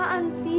ya allah anti